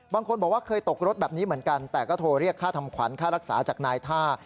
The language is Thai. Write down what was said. บางคนบอกว่าเคยตกรถแบบนี้เหมือนกันแต่ก็โทรเรียกค่าทำขวัญค่ารักษาจากนายท่า